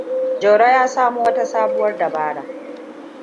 Jauro ya samo wata sabuwar dabara.